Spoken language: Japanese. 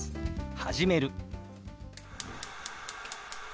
「始める」。